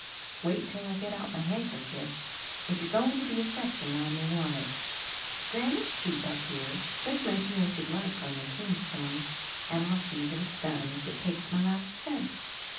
"Wait till I get out my handkerchief; if you're going to be affectin' I may want it. Granite's cheap up here; just mention what you'd like on your tombstone and I'll see that it's done, if it takes my last cent."